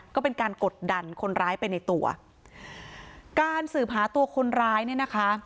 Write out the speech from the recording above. ก็เป็นการกดดันคนร้ายไปในตัวการสืบหาตัวคนร้ายเนี่ยนะคะ